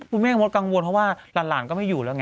คุณแม่มดกังวลเพราะว่าหลานก็ไม่อยู่แล้วไง